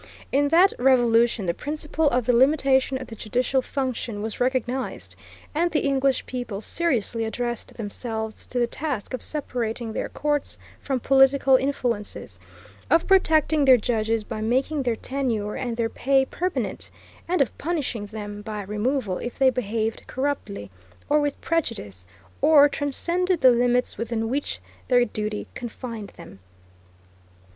In that revolution the principle of the limitation of the judicial function was recognized, and the English people seriously addressed themselves to the task of separating their courts from political influences, of protecting their judges by making their tenure and their pay permanent, and of punishing them by removal if they behaved corruptly, or with prejudice, or transcended the limits within which their duty confined them.